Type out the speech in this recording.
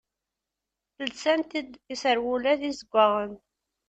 Lsant-d iserwula d izeggaɣen.